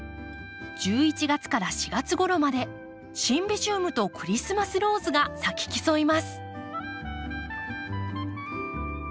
１１月から４月ごろまでシンビジウムとクリスマスローズが咲き競います。